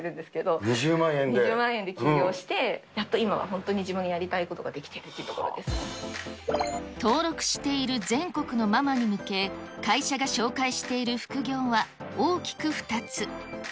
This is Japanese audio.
２０万円で起業して、やっと今は本当に自分のやりたいことが登録している全国のママに向け、会社が紹介している副業は、大きく２つ。